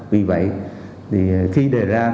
vì vậy khi đề ra